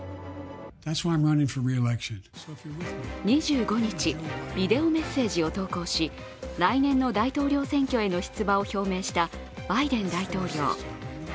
２５日、ビデオメッセージを投稿し、来年の大統領選挙への出馬を表明したバイデン大統領。